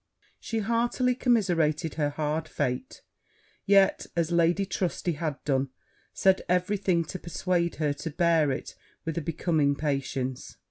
She heartily commiserated her hard fate; yet, as Lady Trusty had done, said every thing to persuade her to bear it with a becoming patience.